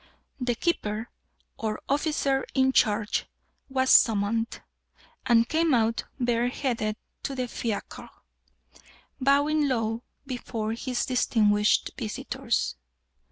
The keeper, or officer in charge, was summoned, and came out bareheaded to the fiacre, bowing low before his distinguished visitors.